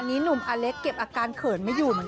นี่นุ่มอัเล็กเก็บอาการเหนื่อยออกมาก